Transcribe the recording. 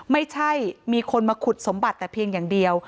ไม่ใช่มีคนมาขุดสมบัติแต่เพียงอย่างเดียว